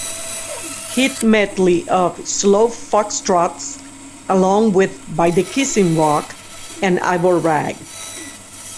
Hit Medley of Slow Foxtrosts" along with "By the Kissing Rock" and "Ivor Rag.